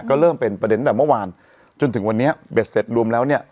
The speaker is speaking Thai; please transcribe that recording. ก็เริ่มเป็นประเด็นตั้งแต่เมื่อวานจนถึงวันนี้เบ็ดเสร็จรวมแล้วเนี่ย